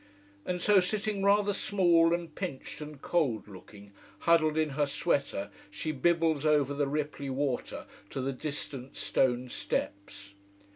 And so, sitting rather small and pinched and cold looking, huddled in her sweater, she bibbles over the ripply water to the distant stone steps.